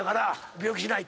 病気しない！